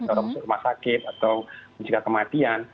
orang masuk ke rumah sakit atau menjaga kematian